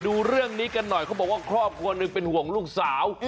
ดูเรื่องนี้กันหน่อยเขาบอกว่าครอบครัวหนึ่งเป็นห่วงลูกสาว